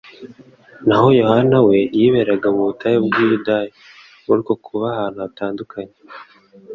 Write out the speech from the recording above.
naho Yohana we yiberaga mu butayu bw'i Yudaya. Muri uko kuba ahantu hatandukanye,